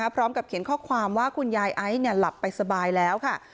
พร้อมกับเขียนข้อความว่าคุณยายไอซ์หลับไปสบายแล้วค่ะ